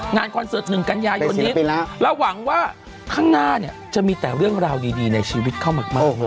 งานคอนเสิร์ตหนึ่งกันยายนิดแล้วหวังว่าข้างหน้าเนี่ยจะมีแต่เรื่องราวดีในชีวิตเข้ามาก